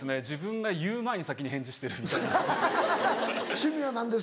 自分が言う前に先に返事してるみたいな。